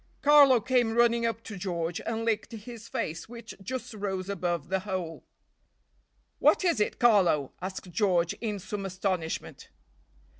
Carlo came running up to George, and licked his face, which just rose above the hole. "What is it, Carlo?" asked George, in some astonishment.